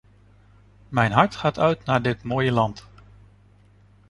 Mijn hart gaat uit naar dit mooie land.